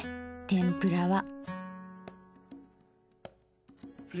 天ぷらは。